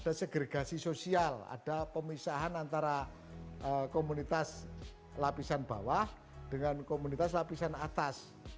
ada segregasi sosial ada pemisahan antara komunitas lapisan bawah dengan komunitas lapisan atas